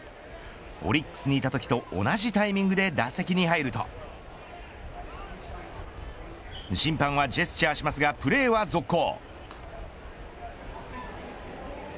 オリックスにいたときと同じタイミングで打席に入ると審判はジェスチャーしますがプレーは続行。